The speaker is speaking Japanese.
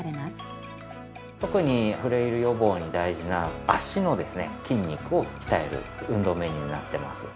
特にフレイル予防に大事な足の筋肉を鍛える運動メニューになっています。